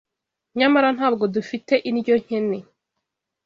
Nyamara ntabwo dufite indyo nkene